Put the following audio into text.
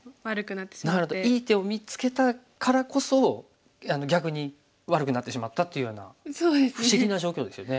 なるほどいい手を見つけたからこそ逆に悪くなってしまったっていうような不思議な状況ですよね。